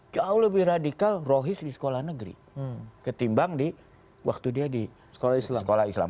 jauh lebih radikal rohis di sekolah negeri ketimbang di waktu dia di sekolah islam